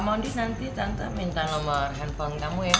mondi nanti tante minta nomor handphone kamu ya